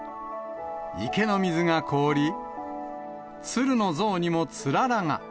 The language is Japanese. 池の水が凍り、鶴の像にもつららが。